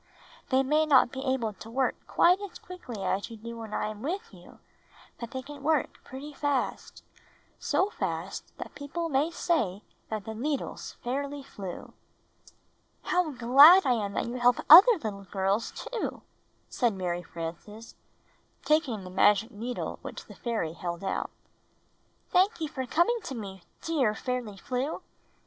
They may not be able to work quite as quickly as you do when I am with you, but they can work pretty fast — so fast that people may say that the needles fairly flew." "How glad I am that you help other little girls, too," said Mary Frances, taking the magic needle which the fairy held out. "Thank you for coming to me, dear Fairly Flew!"